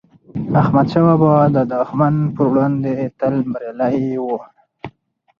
احمدشاه بابا د دښمن پر وړاندی تل بریالي و.